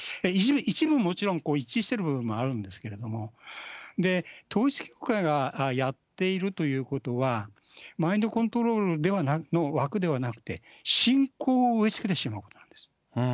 一部もちろん、一致している部分もあるんですけれども、統一教会がやっているということは、マインドコントロールの枠ではなくて、信仰を植えつけてしまうことなんです。